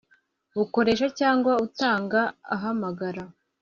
b ukoresha cyangwa utangaza ahamagara